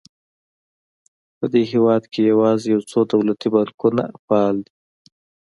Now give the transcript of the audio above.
په دې هېواد کې یوازې یو څو دولتي بانکونه فعال دي.